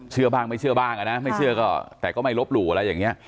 เชื่อบ้างไม่เชื่อบ้างนะไม่เชื่อก็แต่ก็ไม่ลบหลู่อะไรอย่างนี้